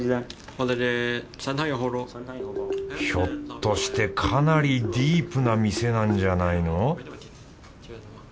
ひょっとしてかなりディープな店なんじゃないの？